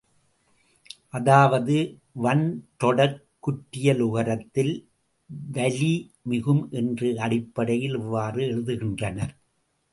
அதாவது, வன்றொடர்க் குற்றியலுகரத்தில் வலி மிகும் என்ற அடிப்படையில் இவ்வாறு எழுதுகின்றனர்.